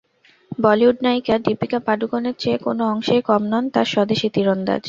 বলিউড নায়িকা দীপিকা পাড়ুকোনের চেয়ে কোনো অংশেই কম নন তাঁর স্বদেশি তিরন্দাজ।